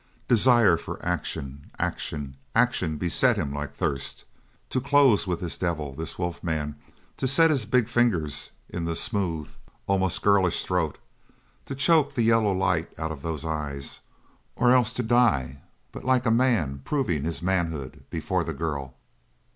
Desire for action, action, action, beset him like thirst. To close with this devil, this wolf man, to set his big fingers in the smooth, almost girlish throat, to choke the yellow light out of those eyes or else to die, but like a man proving his manhood before the girl.